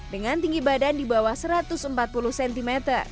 dengan tinggi badan di bawah satu ratus empat puluh cm